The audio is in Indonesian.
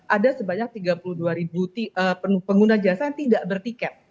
ada sebanyak tiga puluh dua ribu pengguna jasa yang tidak bertiket